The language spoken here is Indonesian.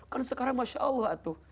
karena sekarang masya allah tuh